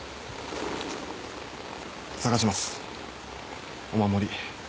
捜しますお守り。